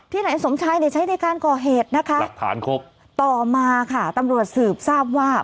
ที่ไหนสมชายเนี่ยใช้ในการก่อเหตุนะคะต่อมาค่ะตำรวจสืบทราบว่า